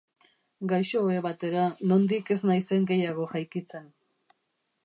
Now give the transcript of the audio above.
Gaixo-ohe batera nondik ez naizen gehiago jeikitzen.